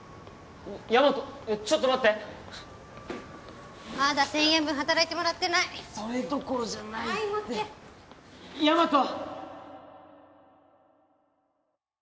ヤマトちょっと待ってまだ１０００円分働いてもらってないそれどころじゃないはい持ってヤマト！